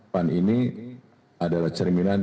pan ini adalah cerminan